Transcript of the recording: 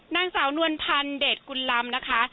นางสาวนวลพันธ์เดชกุลลำนะคะ